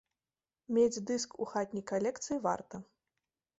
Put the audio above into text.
Мець дыск у хатняй калекцыі варта.